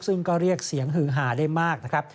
ซึ่งก็เรียกเสียงหือหาได้มากนะครับ